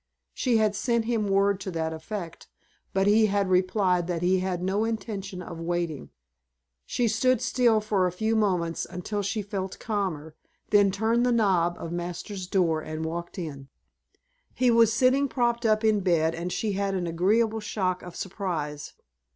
She had sent him word to that effect but he had replied that he had no intention of waiting. She stood still for a few moments until she felt calmer, then turned the knob of Masters' door and walked in. He was sitting propped up in bed and she had an agreeable shock of surprise.